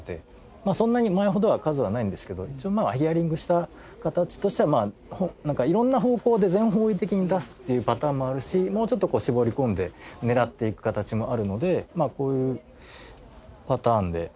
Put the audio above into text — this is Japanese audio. まあそんなに前ほどは数はないんですけど一応まあヒアリングした形としてはなんか色んな方向で全方位的に出すっていうパターンもあるしもうちょっとこう絞り込んで狙っていく形もあるのでまあこういうパターンで。